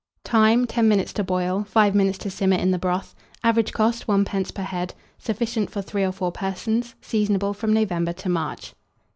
Time, 10 minutes to boil, 5 minutes to simmer in the broth. Average cost, 1d. per head. Sufficient for 3 or 4 persons. Seasonable from November to March.